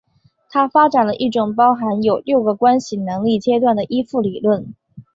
他发展了一种包含有六个关系能力阶段的依附理论。